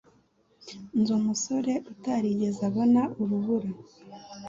Nzi umusore utarigeze abona urubura.